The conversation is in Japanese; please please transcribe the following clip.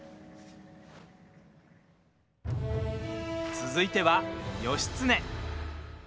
続いては、義経。